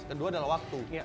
kedua adalah waktu